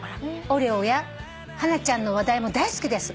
「オレオやハナちゃんの話題も大好きです」